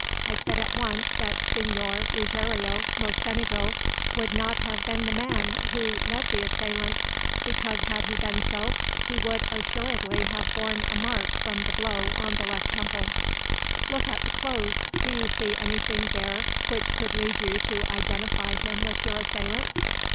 I said at once that Signor Ruggiero Mocenigo could not have been the man who led the assailants, because had he been so he would assuredly have borne a mark from the blow on the left temple." "Look at the clothes. Do you see anything there which could lead you to identify him with your assailant?"